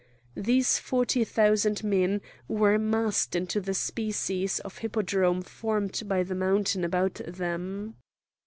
These forty thousand men were massed into the species of hippodrome formed by the mountain about them.